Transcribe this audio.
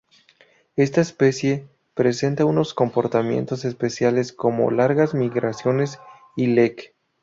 Esta especie presenta unos comportamientos especiales como largas migraciones y lek.